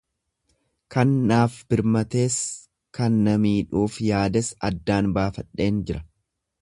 Kan naaf birmatees kan na miidhuuf yaades addaan baafadheen jira.